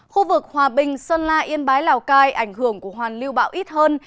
khu vực hòa bình sơn la yên bái lào cai ảnh hưởng của hoàn lưu bão ít hơn